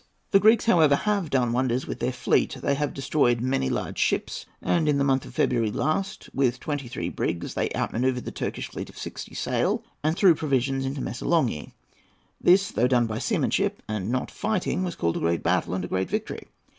The Greeks, however, have done wonders with their fleet. They have destroyed many large ships, and, in the month of February last, with twenty three brigs, they out manoeuvred the Turkish fleet of sixty sail, and threw provisions into Missolonghi. This, though done by seamanship, and not fighting, was called a great battle and a great victory.